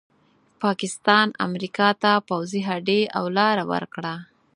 پاکستان امریکا ته پوځي هډې او لاره ورکړه.